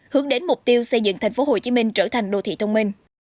hướng đến mục tiêu xây dựng tp hcm trở thành đô thị thông minh